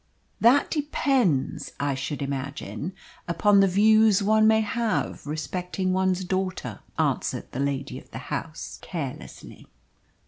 "That depends, I should imagine, upon the views one may have respecting one's daughter," answered the lady of the house carelessly.